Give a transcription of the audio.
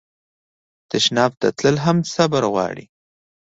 تشناب ته تلل هم صبر غواړي.